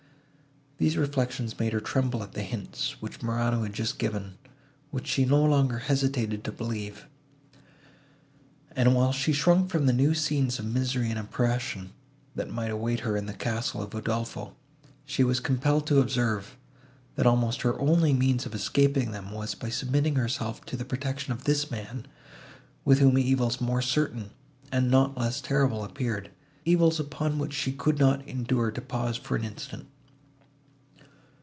These reflections made her tremble at the hints, which Morano had just given, which she no longer hesitated to believe; and, while she shrunk from the new scenes of misery and oppression, that might await her in the castle of Udolpho, she was compelled to observe, that almost her only means of escaping them was by submitting herself to the protection of this man, with whom evils more certain and not less terrible appeared,—evils, upon which she could not endure to pause for an instant.